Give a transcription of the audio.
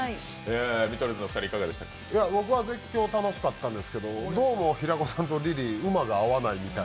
僕は絶叫楽しかったんですけど、どうも平子さんとリリー馬が合わないみたい。